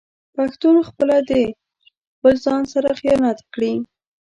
پښتون خپله د خپل ځان سره خيانت کړي